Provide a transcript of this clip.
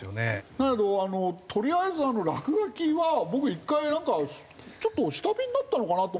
だけどとりあえず落書きは僕１回なんかちょっと下火になったのかなって思ってたら。